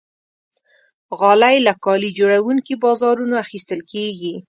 غالۍ له کالي جوړونکي بازارونو اخیستل کېږي.